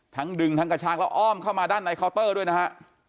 ดึงทั้งกระชากแล้วอ้อมเข้ามาด้านในเคาน์เตอร์ด้วยนะฮะ